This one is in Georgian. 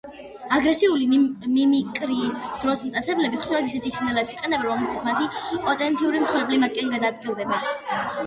აგრესიული მიმიკრიის დროს მტაცებლები ხშირად ისეთ სიგნალებს იყენებენ, რომლითაც მათი პოტენციური მსხვერპლი მათკენ გადაადგილდება.